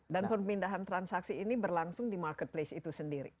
dan perpindahan transaksi ini berlangsung di marketplace itu sendiri